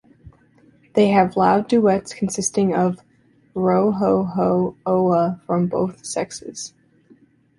They have loud duets consisting of "rro-ho-ho-o-a" from both sexes.